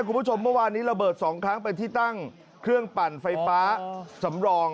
คุณผู้ชมเมื่อวานนี้ระเบิดสองครั้งเป็นที่ตั้งเครื่องปั่นไฟฟ้าสำรอง